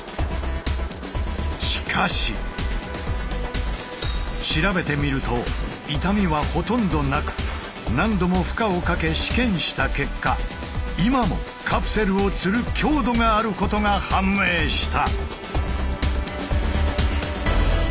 しかし調べてみると傷みはほとんどなく何度も負荷をかけ試験した結果今もカプセルを吊る強度があることが判明した。